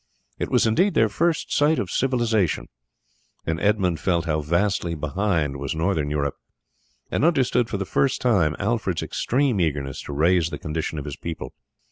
It was indeed their first sight of civilization, and Edmund felt how vastly behind was Northern Europe, and understood for the first time Alfred's extreme eagerness to raise the condition of his people.